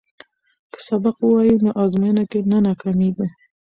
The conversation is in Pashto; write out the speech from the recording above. که سبق ووایو نو ازموینه کې نه ناکامیږو.